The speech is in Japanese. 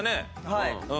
はい。